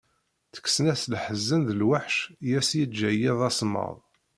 Ttekksen-as leḥzen d lweḥc i as-yeǧǧa yiḍ asemmaḍ.